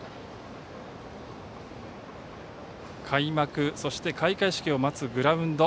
開幕、そして開会式を待つグラウンド。